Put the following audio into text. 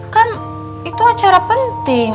kan itu acara penting